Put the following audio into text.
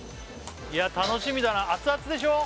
いや楽しみだな熱々でしょ？